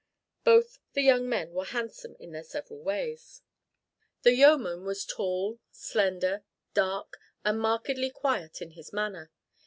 Both the young men were handsome in their several ways. The yeoman was tall, slender, dark and markedly quiet in his manner.